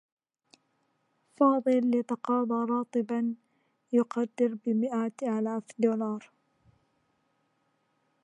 فاضل يتقاضى راتبا يقدّر بمآت آلاف الدّولارات.